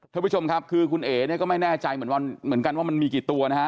ท่านผู้ชมครับคือคุณเอ๋เนี่ยก็ไม่แน่ใจเหมือนกันว่ามันมีกี่ตัวนะฮะ